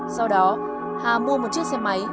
sau đó hà mua một chiếc xe máy